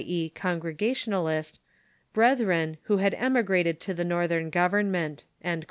e., Congregationalist] brethren who had emigrated to the northern government."